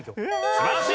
素晴らしい！